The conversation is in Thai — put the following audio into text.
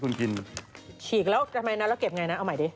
ผมมีวิธียืนยันได้